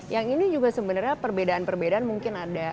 yang ini juga sebenarnya perbedaan perbedaan mungkin ada